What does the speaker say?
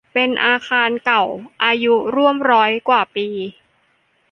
เป็นอาคารเก่าอายุร่วมร้อยกว่าปี